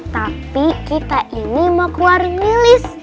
tapi kita ini mau keluarin milis